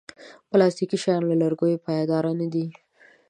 پلاستيکي شیان له لرګیو پایداره نه دي.